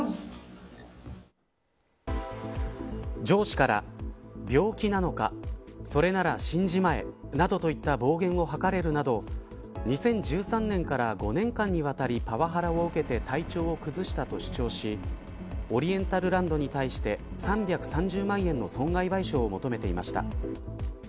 上司から病気なのか、それなら死んじまえなどといった暴言を吐かれるなど２０１３年から５年間にわたりパワハラを受けて体調を崩したと主張しオリエンタルランドに対して３３０万円の損害賠償を求めていました。